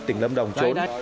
tỉnh lâm đồng trốn